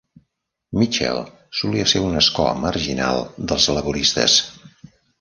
Mitchell solia ser un escó marginal dels laboristes.